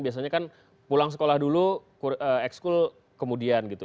biasanya kan pulang sekolah dulu ekskul kemudian gitu